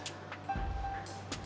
mereka pasti akan terpisah